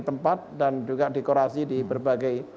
tempat dan juga dekorasi di berbagai